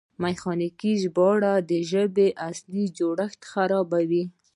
میخانیکي ژباړه د ژبې اصلي جوړښت خرابوي.